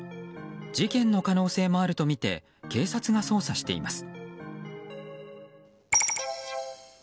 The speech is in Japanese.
事件の可能性もあるとみて警察が捜査しています。